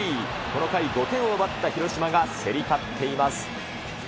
この回、５点を奪った広島が競り勝っています。